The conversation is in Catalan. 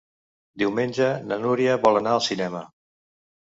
Diumenge na Núria vol anar al cinema.